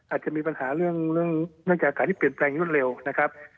อาจจะมีปัญหาเรื่องเนื่องจากอากาศที่เปลี่ยนแปลงรวดเร็วนะครับ